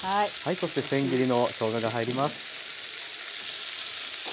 そしてせん切りのしょうがが入ります。